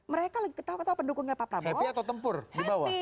mereka lagi ketawa ketawa pendukungnya pak prabowo